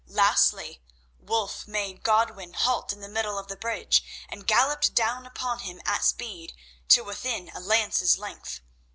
Lastly, Wulf made Godwin halt in the middle of the bridge and galloped down upon him at speed, till within a lance's length.